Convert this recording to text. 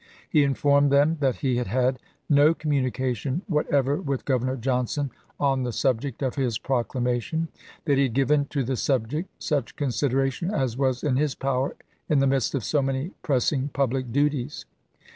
He informed them that he had had no com munication whatever with Governor Johnson on the subject of his proclamation ; that he had given to the subject such consideration as was in his power in the midst of so many pressing public duties.